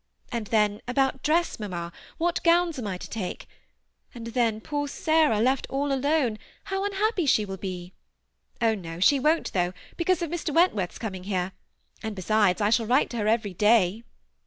And then about dress, mamma, what gowns am I to take ? and then poor Sarah, left all alone, how unhappy she will be ! Oh, no ! she won't 70 THE BEMI ATTAGHED COUPLE. though, because of Mr. Wentworth's ooming here ; and besides, I shall write to her everj daj."